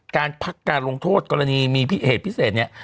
การพักการลงโทษกรณีมีเหตุพิเศษเนี่ย